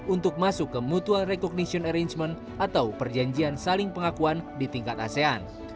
untuk masuk ke mutual recognition arrangement atau perjanjian saling pengakuan di tingkat asean